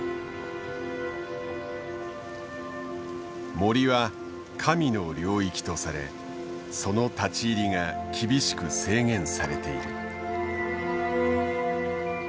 森は神の領域とされその立ち入りが厳しく制限されている。